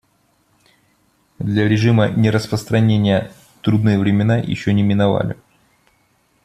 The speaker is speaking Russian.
Для режима нераспространения трудные времена еще не миновали.